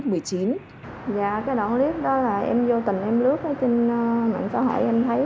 dạ cái đoạn clip đó là em vô tình em lướt trên mạng xã hội em thấy